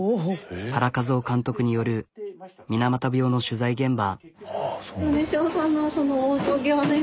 原一男監督による水俣病の取材現場。